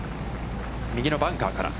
右のバンカーから。